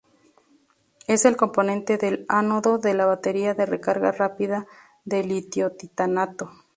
Es el componente del ánodo de la batería de recarga rápida de litio-titanato.